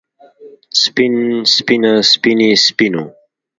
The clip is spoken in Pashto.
سپين سپينه سپينې سپينو